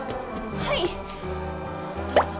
はいどうぞ。